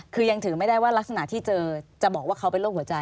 คือยังถือไม่ได้ว่ารักษณะที่เจอจะบอกว่าเขาเป็นโรคหัวใจ